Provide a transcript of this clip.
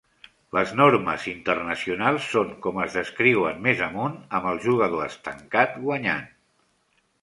Les normes "internacionals" són com es descriuen més amunt, amb el jugador estancat guanyant.